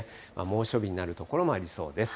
猛暑日になる所もありそうです。